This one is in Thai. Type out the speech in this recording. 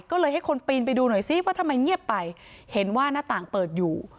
ก็เลยให้คนปีนไปดูหน่อยซิว่าทำไมเงียบไปเห็นว่าหน้าต่างเปิดอยู่